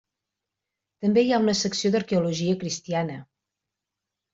També hi ha una secció d'arqueologia cristiana.